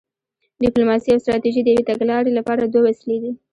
ډیپلوماسي او ستراتیژي د یوې تګلارې لپاره دوه وسیلې دي